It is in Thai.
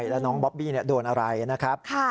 แล้วน้องบอบบี้โดนอะไรนะครับ